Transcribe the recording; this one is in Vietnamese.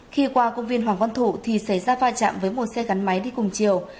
khi qua công viên hoàng văn thủ thì xảy ra va chạm với một xe gắn máy đi cùng chiều